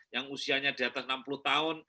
yang usianya di atas enam puluh tahun